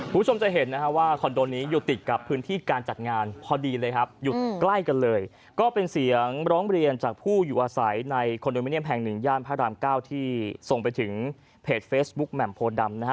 คุณผู้ชมจะเห็นนะฮะว่าคอนโดนี้อยู่ติดกับพื้นที่การจัดงานพอดีเลยครับอยู่ใกล้กันเลยก็เป็นเสียงร้องเรียนจากผู้อยู่อาศัยในคอนโดมิเนียมแห่งหนึ่งย่านพระรามเก้าที่ส่งไปถึงเพจเฟซบุ๊คแหม่มโพดำนะฮะ